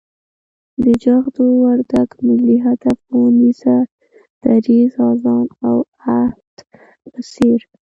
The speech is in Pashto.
د جغتو، وردگ، ملي هدف اونيزه، دريځ، آذان او عهد په څېر